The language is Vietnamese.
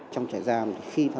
trong trải gian khi phạm pháp